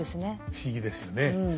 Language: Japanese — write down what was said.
不思議ですよね。